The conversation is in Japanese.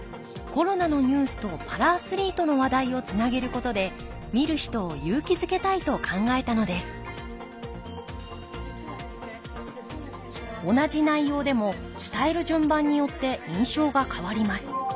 コロナのニュースとパラアスリートの話題をつなげることで見る人を勇気づけたいと考えたのです同じ内容でも伝える順番によって印象が変わります。